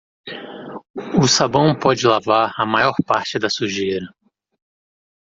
O sabão pode lavar a maior parte da sujeira.